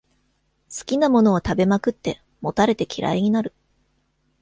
好きなものを食べまくって、もたれて嫌いになる